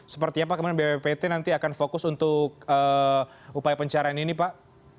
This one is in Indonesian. sepertinya pak bppt nanti akan fokus untuk upaya pencarian ini pak